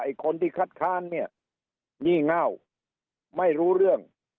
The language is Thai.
คนที่คัดค้านเนี่ยงี่เง่าไม่รู้เรื่อง